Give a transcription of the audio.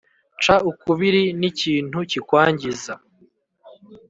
Ca ukubiri n ikintu kikwangiza